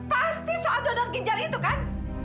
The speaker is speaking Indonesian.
pasti soal donor ginjal itu kan